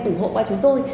ủng hộ qua chúng tôi